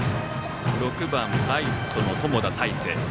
６番ライトの友田泰成。